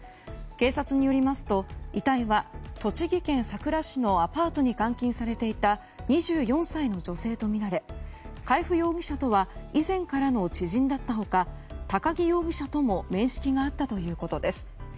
警察によりますと遺体は栃木県さくら市のアパートに監禁されていた２４歳の女性とみられ海部容疑者とは以前からの知人だった他高木容疑者とも面識があったということです。